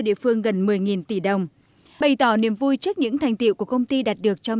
địa phương gần một mươi tỷ đồng bày tỏ niềm vui trước những thành tiệu của công ty đạt được trong